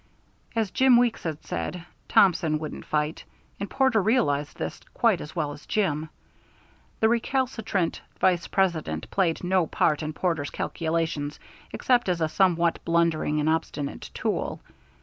As Jim Weeks had said, Thompson wouldn't fight, and Porter realized this quite as well as Jim. The recalcitrant Vice President played no part in Porter's calculations except as a somewhat blundering and obstinate tool.